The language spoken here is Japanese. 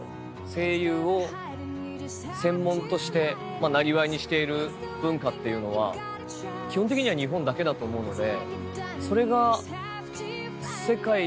声優を専門としてなりわいにしている文化っていうのは基本的には日本だけだと思うので。